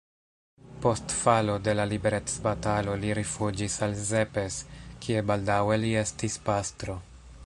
Post falo de la liberecbatalo li rifuĝis al Szepes, kie baldaŭe li estis pastro.